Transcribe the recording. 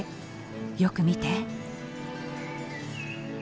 よく見て。